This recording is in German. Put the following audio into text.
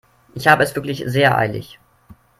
Ich habe es wirklich sehr eilig.